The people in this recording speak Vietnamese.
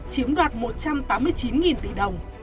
chiếm đoạt một trăm tám mươi chín tỷ đồng